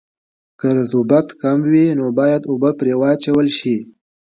که رطوبت کم وي نو باید اوبه پرې واچول شي